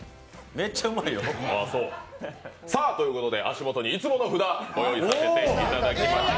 めっちゃうまいよ。さあ、ということで足元にいつもの札用意させていただきました。